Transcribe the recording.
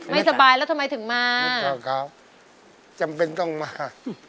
ไม่สบายแล้วทำไมถึงมาน้ำมูกข่าวข่าวข่าวจำเป็นต้องมา